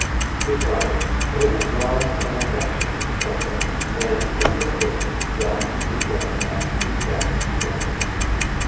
Besides, Amos was an affectionate husband, and, in his way, valued his wife as his best treasure.